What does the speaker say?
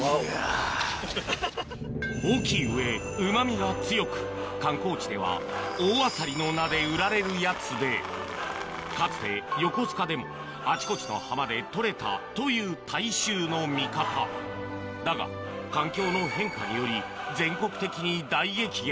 大きい上うまみが強く観光地では大アサリの名で売られるやつでかつて横須賀でもあちこちの浜で採れたという大衆の味方だが環境の変化により全国的に大激減